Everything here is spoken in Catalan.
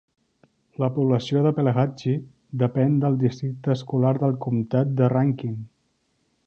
La població de Pelahatchie depèn del districte escolar del comtat de Rankin.